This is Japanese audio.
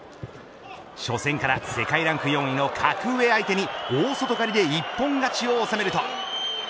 初戦から世界ランク４位の格上相手に大外刈で一本勝ちを収めると。